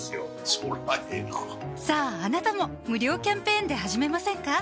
そりゃええなさぁあなたも無料キャンペーンで始めませんか？